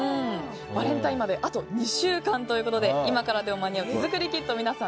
バレンタインまであと２週間ということで今からでも間に合う手作りキット皆さん